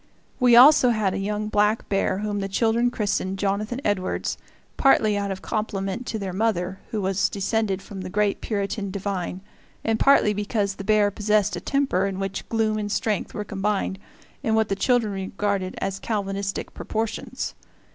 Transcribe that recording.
We also had a young black bear whom the children christened Jonathan Edwards, partly out of compliment to their mother, who was descended from that great Puritan divine, and partly because the bear possessed a temper in which gloom and strength were combined in what the children regarded as Calvinistic proportions.